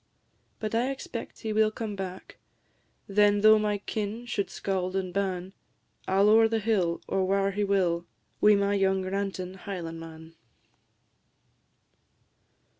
But I expect he will come back; Then, though my kin should scauld and ban, I 'll ower the hill, or whare he will, Wi' my young rantin' Highlandman.